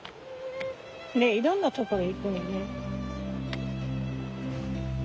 でいろんなところ行くのね。